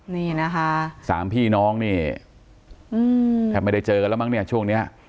นี่นะคะสามพี่น้องนี่แทบไม่ได้เจอกันแล้วมั้งเนี่ยช่วงนี้